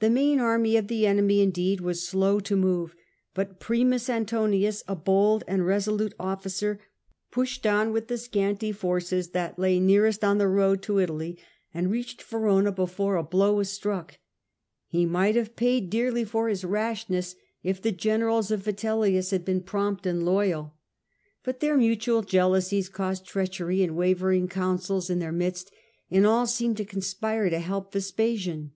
The main army of the enemy, indeed, was slow to move ; but Primus Antonius, a bold and resolute officer, pushed on with the scanty forces that lay nearest on the road to A..D. 6g. Vitcllius, m Italy, and reached Verona before a blow was struck He might have paid dearly for his rashness if the generals of Vitellius had been prompt and and ail loyal ; but their mutual jealousies caused to treachery and wavering counsels in their help him. midst, and all seemed to conspire to help Vespasian.